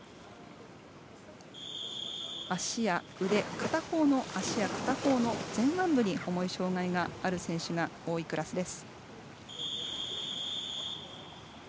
足や腕片方の足や片方の前腕部に重い障がいがある選手が多いクラスです。